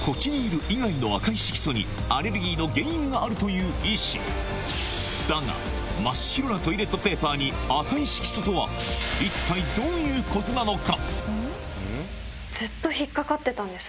アレルギーの原因があるという医師だが真っ白なトイレットペーパーに赤い色素とは一体どういうことなのか？